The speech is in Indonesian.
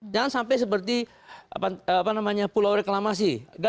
jangan sampai seperti pulau reklamasi